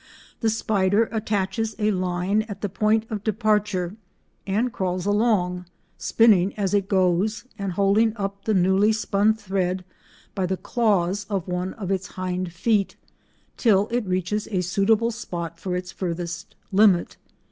The spider attaches a line at the point of departure and crawls along, spinning as it goes and holding up the newly spun thread by the claws of one of its hind feet, till it reaches a suitable spot for its farthest limit.